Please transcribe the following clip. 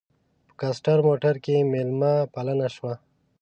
په کاسټر موټر کې مېلمه پالنه شوه.